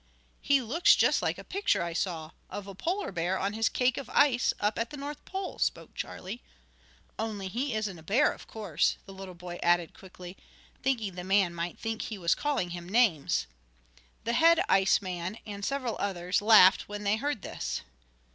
"He looks just like a picture I saw, of a Polar bear on his cake of ice, up at the North Pole," spoke Charlie, "only he isn't a bear, of course," the little boy added quickly, thinking the man might think he was calling him names. The head ice man, and several others, laughed when they heard this.